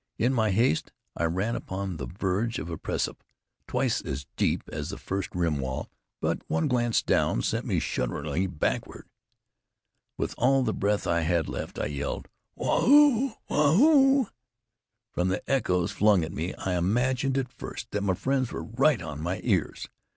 In my haste, I ran upon the verge of a precipice twice as deep as the first rim wall, but one glance down sent me shatteringly backward. With all the breath I had left I yelled: "Waa hoo! Waa hoo!" From the echoes flung at me, I imagined at first that my friends were right on my ears.